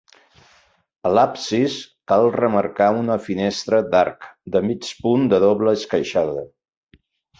A l'absis, cal remarcar una finestra d'arc de mig punt de doble esqueixada.